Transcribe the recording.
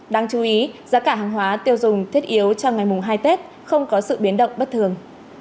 đáng chú ý giá cả hàng hóa tiêu dùng thiết yếu trong ngày mùng hai tết không có sự biến động bất thường